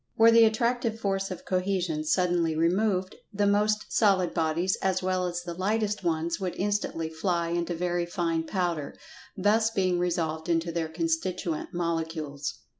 Were the Attractive force of Cohesion suddenly removed, the most solid bodies, as well as the lightest ones, would instantly fly into very fine powder, thus being resolved into their constituent molecules.